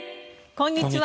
こんにちは。